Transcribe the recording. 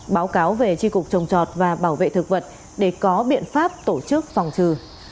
báo cáo về tri cục trồng trọt và bảo vệ thực vật để có biện pháp tổ chức phòng trừ